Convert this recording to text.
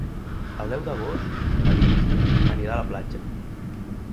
El deu d'agost na Lis anirà a la platja.